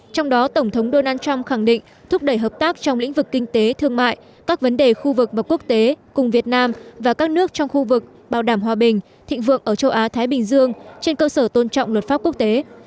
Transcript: trong đó tổng thống donald trump khẳng định thúc đẩy hợp tác trong lĩnh vực kinh tế thương mại các vấn đề khu vực và quốc tế cùng việt nam và các nước trong khu vực bảo đảm hòa bình thịnh vượng ở châu á thái bình dương trên cơ sở tôn trọng luật pháp quốc tế